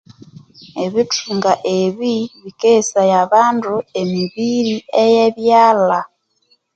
Ebithunga ebi bikeghesaya abandu emibiri eye byalha